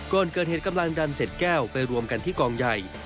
ก่อนเกิดเหตุกำลังดันเสร็จแก้วไปรวมกันที่กองใหญ่